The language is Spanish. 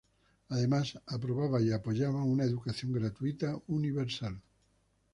Además aprobaba y apoyaba una educación gratuita universal.